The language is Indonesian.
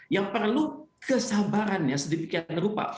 yang perlu kesabarannya sedemikian rupa